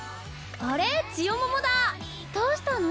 あれっちよももだどうしたの？